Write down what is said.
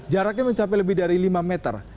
jaraknya mencapai lebih dari lima meter